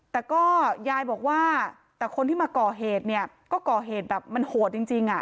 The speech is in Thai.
แต่ก็ยายบอกว่าแต่คนที่มาก่อเหตุเนี่ยก็ก่อเหตุแบบมันโหดจริง